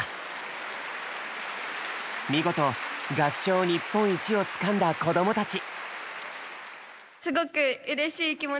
見事合唱日本一をつかんだ子供たち。